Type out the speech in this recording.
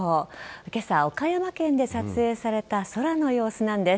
けさ、岡山県で撮影された空の様子なんです。